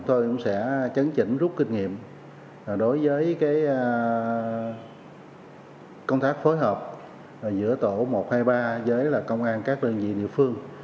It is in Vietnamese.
tôi cũng sẽ chấn chỉnh rút kinh nghiệm đối với công tác phối hợp giữa tổ một trăm hai mươi ba với công an các đơn vị địa phương